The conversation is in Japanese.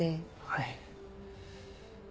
はい。